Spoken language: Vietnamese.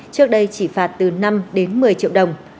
trước đây chỉ phạt từ năm đến một mươi triệu đồng